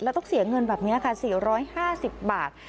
แล้วต้องเสียเงินแบบนี้ค่ะ๔๕๐บาท